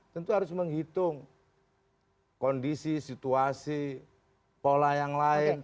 tentu harus menghitung kondisi situasi pola yang lain